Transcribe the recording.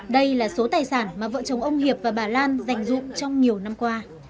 đây là số tài sản mà vợ chồng ông hiệp và bà lan giành dụng trong nhiều năm qua